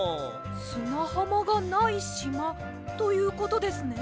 すなはまがないしまということですね？